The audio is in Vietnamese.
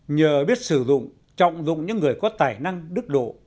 nhờ biết sử dụng trọng dụng những người có tài năng đức độ